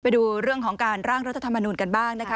ไปดูเรื่องของการร่างรัฐธรรมนูลกันบ้างนะคะ